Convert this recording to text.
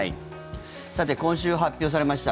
さて、今週発表されました